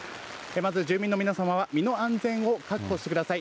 まず住民の皆様は身の安全を確保してください。